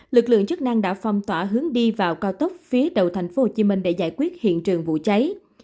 lực lượng chức năng đã phong tỏa hướng đi vào cao tốc phía đầu thành phố hồ chí minh để giải quyết hiện trường vụ cháy